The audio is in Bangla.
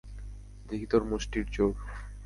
দেখি তোর মুষ্টির জোর।